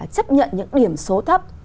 chấp nhận những điểm số thấp